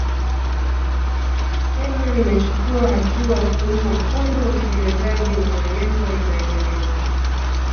Kenya imechukua hatua kuunga mkono utekelezaji wa malengo ya maendeleo